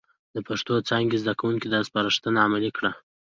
د پښتو څانګې زده کوونکي دا سپارښتنه عملي کړي،